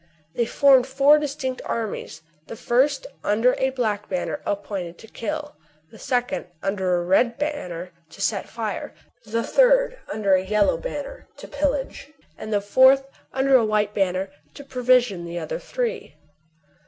They formed four distinct armies, — the first, under a black banner, appointed to kill ; the second, under a red banner, to set fire ; the third, under a yellow banner, to pillage ; and the fourth, under a white banner, to provision the other three.